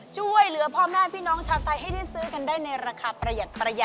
ช่วยเหลือพ่อแม่พี่น้องชาวไทยให้ได้ซื้อกันได้ในราคาประหยัด